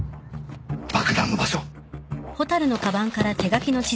爆弾の場所